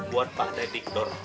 buat pak reddick dor